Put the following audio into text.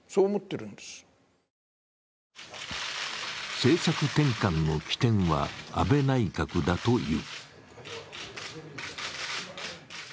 政策転換の起点は安倍内閣だという。